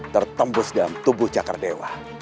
tertembus dalam tubuh cakar dewa